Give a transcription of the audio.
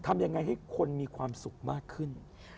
ทำยังไงให้คนมีความสุขมากขึ้น